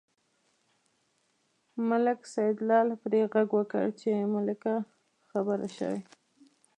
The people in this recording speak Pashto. ملک سیدلال پرې غږ وکړ چې ملکه خبر شوې.